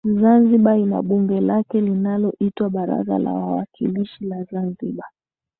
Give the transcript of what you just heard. Zanzibar ina bunge lake linaloitwa Baraza la Wawakilishi la Zanzibar